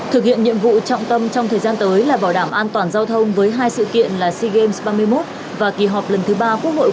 thực hiện nhiệm vụ trọng tâm trong thời gian tới là bảo đảm an toàn giao thông với hai sự kiện là sea games ba mươi một và kỳ họp lần thứ ba quốc hội khóa một